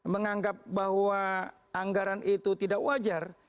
menganggap bahwa anggaran itu tidak wajar